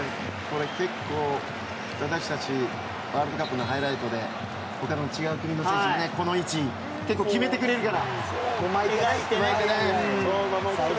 これ結構、私たちワールドカップのハイライトでほかの違う国の選手で結構、この位置結構決めてくれるから。